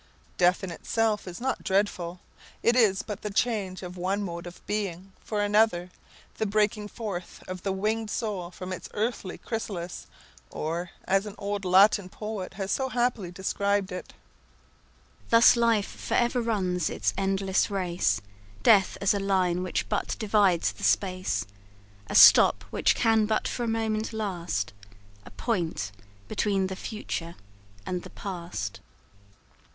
Death in itself is not dreadful; it is but the change of one mode of being for another the breaking forth of the winged soul from its earthly chrysalis; or, as an old Latin poet has so happily described it "Thus life for ever runs its endless race, Death as a line which but divides the space A stop which can but for a moment last, A point between the future and the past."